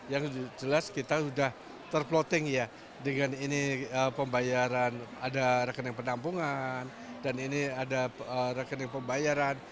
yang jelas kita sudah terploting ya dengan ini pembayaran ada rekening penampungan dan ini ada rekening pembayaran